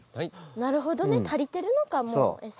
なるほどね足りてるのかもう餌。